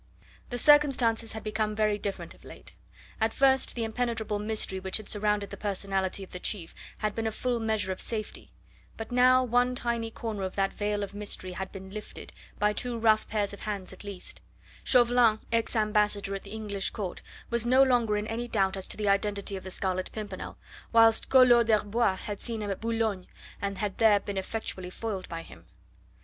The circumstances had become very different of late. At first the impenetrable mystery which had surrounded the personality of the chief had been a full measure of safety, but now one tiny corner of that veil of mystery had been lifted by two rough pairs of hands at least; Chauvelin, ex ambassador at the English Court, was no longer in any doubt as to the identity of the Scarlet Pimpernel, whilst Collot d'Herbois had seen him at Boulogne, and had there been effectually foiled by him.